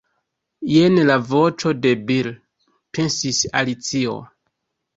"jen la voĉo de Bil," pensis Alicio.